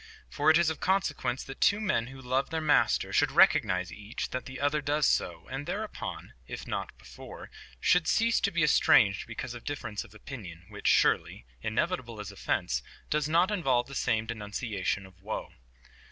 For it is of consequence that two men who love their Master should recognize each that the other does so, and thereupon, if not before, should cease to be estranged because of difference of opinion, which surely, inevitable as offence, does not involve the same denunciation of woe.